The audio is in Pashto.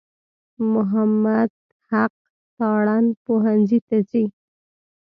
محمد حق تارڼ پوهنځي ته ځي.